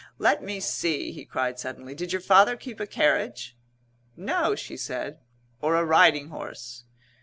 "Let me see," he cried suddenly, "did your father keep a carriage?" "No," she said. "Or a riding horse!"